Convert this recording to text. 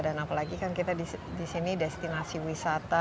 dan apalagi kan kita di sini destinasi wisata